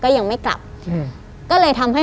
ก็ยังไม่กลับอืมก็เลยทำให้